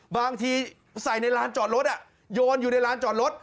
บางทีใส่ในร้านจอดรถโยนอยู่ในร้านจอดรถ